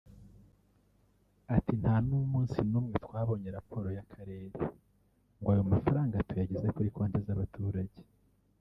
Ati “ Nta n’umunsi n’umwe twabonye raporo y’Akarere ngo ayo mafaranga tuyageze kuri konti z’abaturage